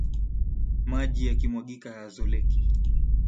Maji yakimwagika hayazoleki